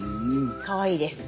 かわいいです。